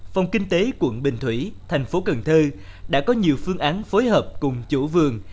phòng kinh tế quận bình thủy thành phố cần thơ đã có nhiều phương án phối hợp cùng chủ vườn